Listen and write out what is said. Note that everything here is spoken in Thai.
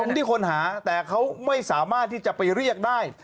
ที่คนหาแต่เขาไม่สามารถที่จะไปเรียกได้